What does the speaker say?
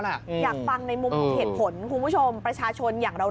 อยากฟังในมุมของเหตุผลคุณผู้ชมประชาชนอย่างเรา